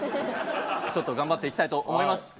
ちょっと頑張っていきたいと思います。